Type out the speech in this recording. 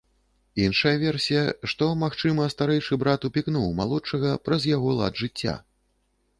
Іншая версія, што, магчыма, старэйшы брат упікнуў малодшага праз яго лад жыцця.